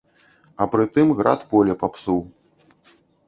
А пры тым, град поле папсуў.